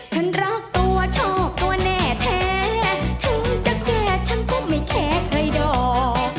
ฉันรักตัวชอบตัวแน่แท้ถึงจะเคลียร์ฉันก็ไม่แค่เคยดอก